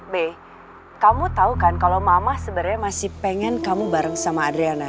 be kamu tau kan kalo mama sebenernya masih pengen kamu bareng sama adriana